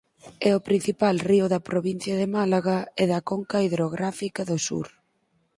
É o principal río da provincia de Málaga e da Conca hidrográfica do sur.